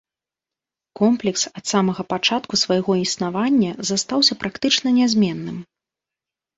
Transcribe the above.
Комплекс, ад самага пачатку свайго існавання, застаўся практычна нязменным.